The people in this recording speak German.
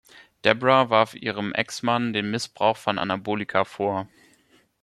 Debra warf ihrem Ex-Mann den Missbrauch von Anabolika vor.